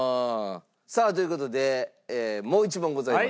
さあという事でもう１問ございます。